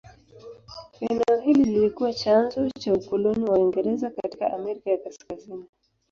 Eneo hili lilikuwa chanzo cha ukoloni wa Uingereza katika Amerika ya Kaskazini.